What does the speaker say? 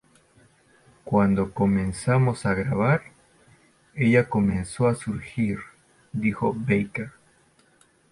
Cuando comenzamos a grabar, ella comenzó a surgir," dijo Baker.